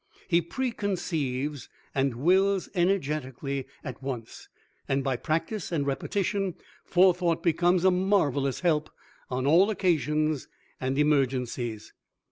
He preconceives and wills energetically at once, and by practice and repetition Forethought becomes a marvelous help on all occasions and emergencies.